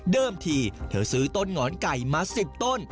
ทีเธอซื้อต้นหงอนไก่มา๑๐ต้น